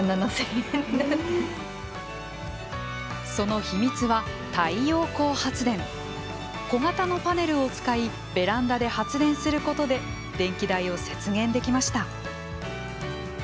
その秘密は小型のパネルを使いベランダで発電することで電気代を節減できました。